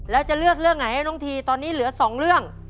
แล้วจะเลือกเรื่องไหนให้น้องทีตอนนี้เหลือ๒เรื่อง